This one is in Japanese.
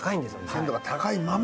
鮮度が高いまま。